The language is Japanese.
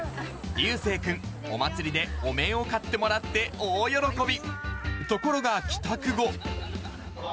りゅうせいくん、お祭りでお面を買ってもらって、大喜び。